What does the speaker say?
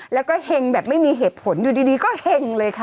แล้วก็เห็งแบบไม่มีเหตุผลอยู่ดีก็เห็งเลยค่ะ